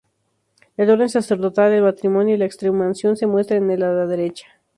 El orden sacerdotal, el matrimonio y la extremaunción se muestran en el ala derecha.